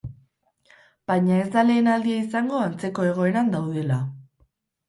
Baina, ez da lehen aldia izango antzeko egoeran daudela.